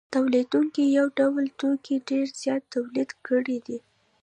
تولیدونکو یو ډول توکي ډېر زیات تولید کړي دي